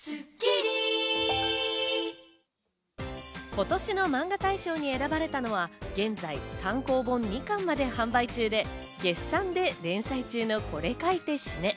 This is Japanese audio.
今年のマンガ大賞に選ばれたのは現在、単行本２巻まで販売中で『ゲッサン』で連載中の『これ描いて死ね』。